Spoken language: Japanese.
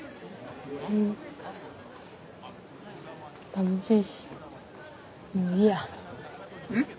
楽しいしもういいやん？